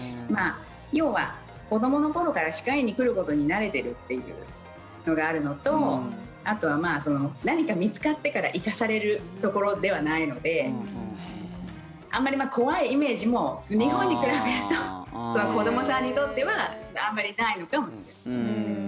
要は子どもの頃から歯科医院に来ることに慣れているというのがあるのとあとは何か見つかってから行かされるところではないのであんまり怖いイメージも日本に比べると子どもさんにとっては、あんまりないのかもしれないです。